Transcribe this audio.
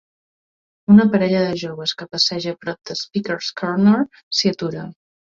Una parella de joves que passeja prop de l'Speaker's Corner s'hi atura.